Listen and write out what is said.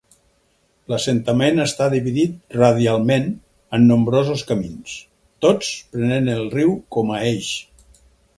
L'assentament està dividit radialment amb nombrosos camins, tots prenent el riu com a eix.